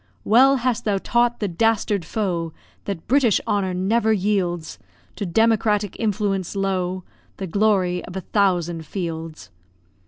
Well hast thou taught the dastard foe That British honour never yields To democratic influence, low, The glory of a thousand fields.